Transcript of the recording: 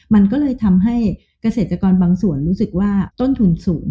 มันก็เลยทำให้เกษตรกรบางส่วนรู้สึกว่าต้นทุนสูง